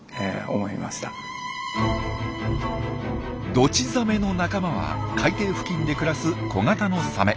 ドチザメの仲間は海底付近で暮らす小型のサメ。